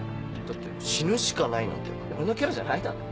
だって「死ぬしかない」なんて俺のキャラじゃないだろ？